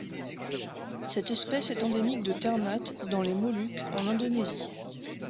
Cette espèce est endémique de Ternate dans les Moluques en Indonésie.